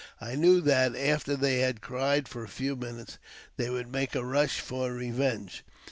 I knew that, after they had cried for a few • minutes, they would make a rush for revenge.